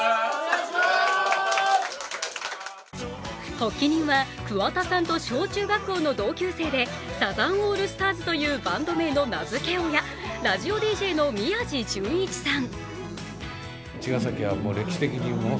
発起人は、桑田さんと小中学校の同級生でサザンオールスターズというバンド名の名付け親、ラジオＤＪの宮治淳一さん。